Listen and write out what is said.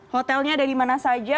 hotelnya ada di mana saja